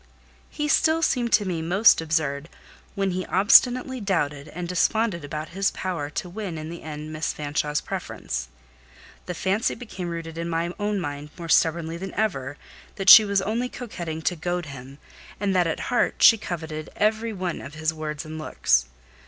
He still seemed to me most absurd when he obstinately doubted, and desponded about his power to win in the end Miss Fanshawe's preference. The fancy became rooted in my own mind more stubbornly than ever, that she was only coquetting to goad him, and that, at heart, she coveted everyone of his words and looks.